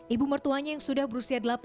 ibu mertuanya yang sudah berusia